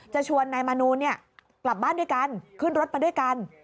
จะชวนนายมนูลกลับบ้านด้วยกันขึ้นรถมาด้วยกัน